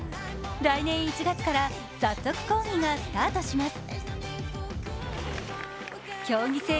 来年１月から早速講義がスタートします。